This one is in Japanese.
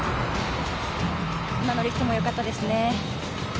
今のリフトもよかったですね。